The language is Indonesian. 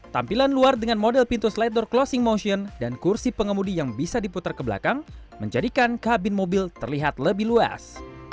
tampilan luar dengan model pintu slider closing motion dan kursi pengemudi yang bisa diputar ke belakang menjadikan kabin mobil terlihat lebih luas